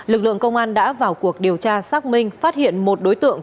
lực lượng công an đã vào cuộc điều tra xác minh phát hiện một đối tượng